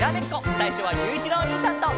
さいしょはゆういちろうおにいさんと！